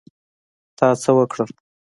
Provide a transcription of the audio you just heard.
تا څه وکړل؟